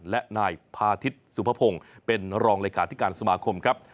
และนายพาทิศสุภพงศ์เป็นรองเลขาธิการสมาคมครับ